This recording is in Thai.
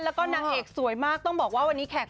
แล้วก็นางเอกสวยมาก